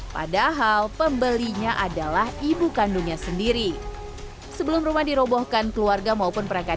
padahal pembelinya adalah ibu kandungnya sendiri sebelum rumah dirobohkan keluarga maupun perangkat